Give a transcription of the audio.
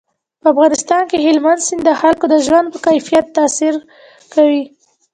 په افغانستان کې هلمند سیند د خلکو د ژوند په کیفیت تاثیر کوي.